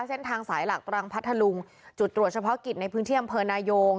เส้นทางสายหลักตรังพัทธลุงจุดตรวจเฉพาะกิจในพื้นที่อำเภอนายง